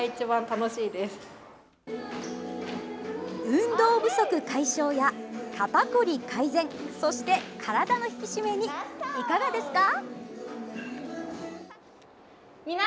運動不足解消や肩こり改善そして、体の引き締めにいかがですか？